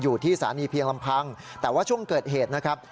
อยู่ที่สถานีเพียงลำพังแต่ว่าช่วงเกิดเหตุนะครับ